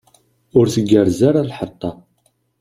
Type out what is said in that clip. Ur tgerrez ara lḥeṭṭa.